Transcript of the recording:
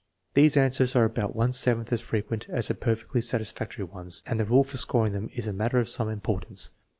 These answers are about one seventh as frequent as the perfectly satis factory ones, and the rule for scoring them is a matter of some importance.